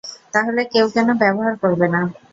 তাহলে, কেউ কেন ব্যবহার করবে না?